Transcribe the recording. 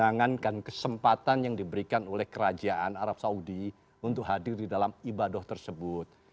jangankan kesempatan yang diberikan oleh kerajaan arab saudi untuk hadir di dalam ibadah tersebut